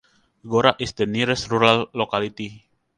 Gora is the nearest rural locality.